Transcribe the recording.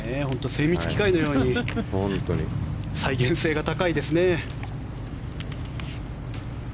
精密機械のように再現性が高いですね。